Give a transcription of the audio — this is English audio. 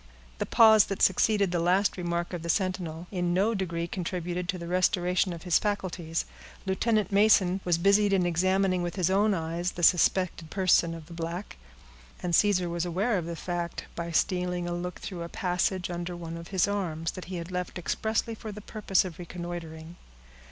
The pause that succeeded the last remark of the sentinel, in no degree contributed to the restoration of his faculties. Lieutenant Mason was busied in examining with his own eyes the suspected person of the black, and Caesar was aware of the fact, by stealing a look through a passage under one of his arms, that he had left expressly for the purpose of reconnoitering.